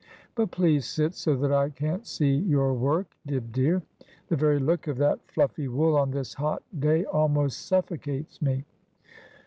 But please sit so that I can't see your work, Dibb dear. The very look of that flufEy wool on this hot day almost suffocates me.'